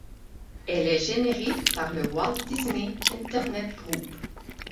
Elle est gérée par le Walt Disney Internet Group.